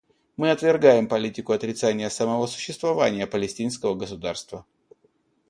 Мы отвергаем политику отрицания самого существования палестинского государства.